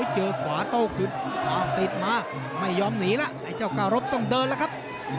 เจอขวาโต้ขึ้นติดมาไม่ยอมหนีล่ะไอ้เจ้าก้าลบต้องเดินล่ะครับ